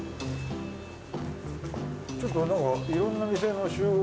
ちょっとなんかいろんな店の集合。